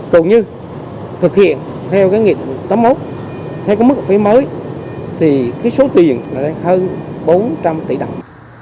cũng như thực hiện theo cái nghị tấm một theo cái mức học phí mới thì cái số tiền là hơn bốn trăm linh tỷ đồng